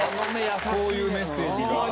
こういうメッセージ。